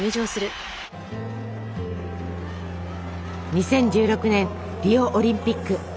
２０１６年リオオリンピック。